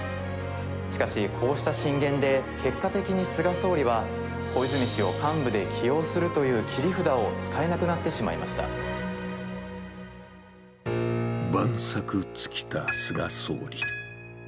しかし、こうした進言で結果的に菅総理は、小泉氏を幹部で起用するという切り札を使えなくなって万策尽きた菅総理。